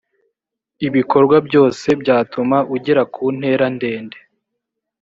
ibikorwa byose byatuma ugera kunterandende.